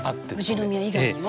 富士宮以外にも？